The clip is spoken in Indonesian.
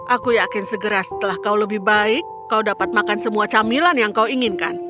aku yakin segera setelah kau lebih baik kau dapat makan semua camilan yang kau inginkan